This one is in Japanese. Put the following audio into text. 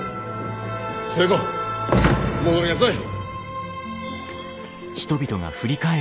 寿恵子戻りなさい！